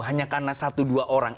hanya karena satu dua orang